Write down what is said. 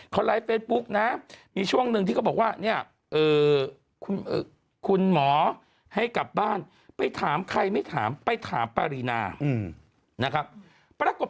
คุณหมอให้กลับบ้านไปถามใครไม่ถามไปถามปรินานะครับปรากฏ